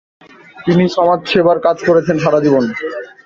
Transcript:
তিনি সমাজসেবা কাজে করেছেন সারা জীবন।